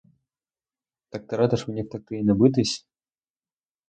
Так ти радиш мені втекти і не битись?